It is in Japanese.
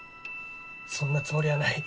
そんなつもりはない。